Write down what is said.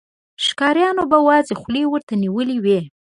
ښکاريانو به وازې خولې ورته نيولې وې.